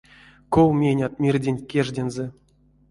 Ков менят мирденть кеждензэ?